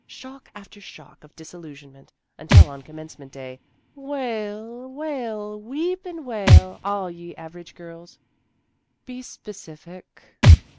Shock after shock of disillusionment, until on Commencement Day, wail, wail, weep and wail, all ye average girls." " Be specific."